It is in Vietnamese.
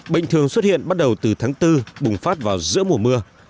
bệnh thường xuất hiện bắt đầu từ tháng bốn bùng phát vào giữa mùa mưa